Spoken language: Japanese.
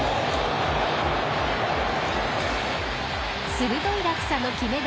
鋭い落差の決め球